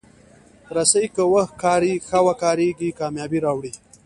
رسۍ که ښه وکارېږي، کامیابي راوړي.